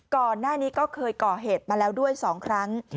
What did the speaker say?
ก่อนหน้านี้ก็เคยก่อเหตุมาแล้วด้วย๒ครั้ง